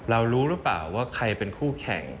รู้หรือเปล่าว่าใครเป็นคู่แข่ง